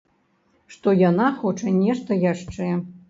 Што яна хоча нешта яшчэ.